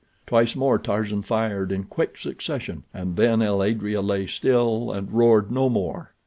Twice more Tarzan fired in quick succession, and then el adrea lay still and roared no more.